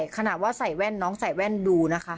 ขนาดว่าใส่แว่นน้องใส่แว่นดูนะคะ